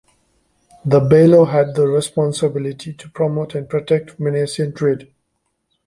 The "bailo" had the responsibility to promote and protect Venetian trade.